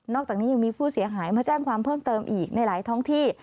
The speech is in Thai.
อกจากนี้ยังมีผู้เสียหายมาแจ้งความเพิ่มเติมอีกในหลายท้องที่